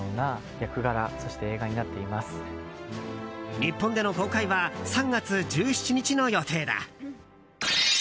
日本での公開は３月１７日の予定だ。